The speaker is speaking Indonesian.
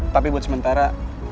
tapi buat sementara